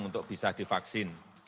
untuk bisa divaksin